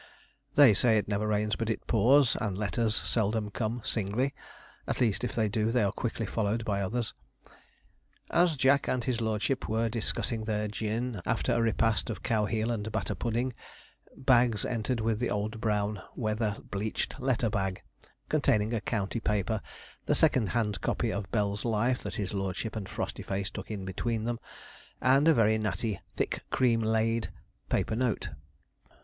They say it never rains but it pours, and letters seldom come singly; at least, if they do they are quickly followed by others. As Jack and his lordship were discussing their gin, after a repast of cow heel and batter pudding, Baggs entered with the old brown weather bleached letter bag, containing a county paper, the second hand copy of Bell's Life, that his lordship and Frostyface took in between them, and a very natty 'thick cream laid' paper note.